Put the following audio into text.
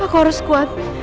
aku harus kuat